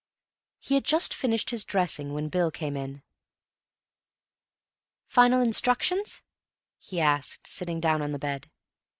He had just finished his dressing when Bill came in. "Final instructions?" he asked, sitting down on the bed.